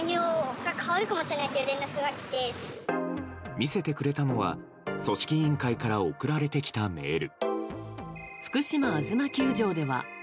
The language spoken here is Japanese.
見せてくれたのは組織委員会から送られてきたメール。